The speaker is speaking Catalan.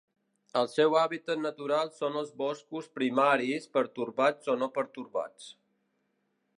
El seu hàbitat natural són els boscos primaris pertorbats o no pertorbats.